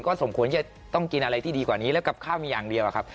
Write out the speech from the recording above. สมควรจะต้องกินอะไรที่ดีกว่านี้แล้วกับข้าวมีอย่างเดียวอะครับ